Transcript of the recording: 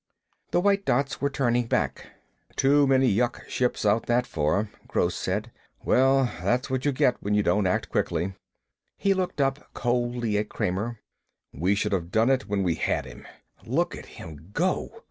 The white dots were turning back. "Too many yuk ships out that far," Gross said. "Well, that's what you get when you don't act quickly." He looked up coldly at Kramer. "We should have done it when we had him. Look at him go!"